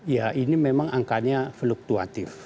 ya ini memang angkanya fluktuatif